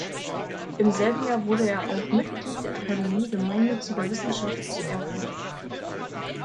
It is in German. Im selben Jahr wurde er auch Mitglied der Akademie gemeinnütziger Wissenschaften zu Erfurt.